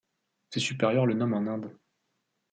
Ses supérieurs le nomment en Inde.